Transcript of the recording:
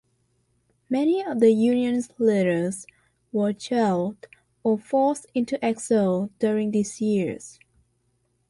Many of the union's leaders were jailed or forced into exile during these years.